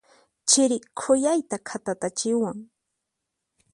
Chiri khuyayta khatatachiwan.